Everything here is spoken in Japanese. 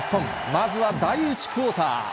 まずは第１クオーター。